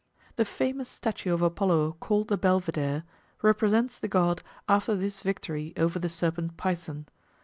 The famous statue of Apollo called the Belvedere represents the god after this victory over the serpent Python.